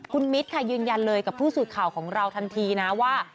คุณมิตรค่ะยืนยันเลยกับผู้สื่อข่าวของเราทันทีนะว่า